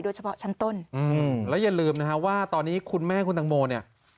เฉพาะชั้นต้นอืมแล้วอย่าลืมนะฮะว่าตอนนี้คุณแม่คุณตังโมเนี่ย